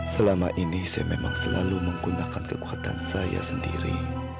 selama ini saya memang selalu menggunakan kekuatan saya sendiri